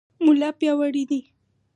ملا پیاوړی دی.